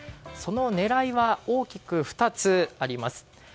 その狙いは大きく２つあります。